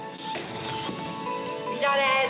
以上です！